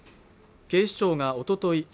警視庁がおととい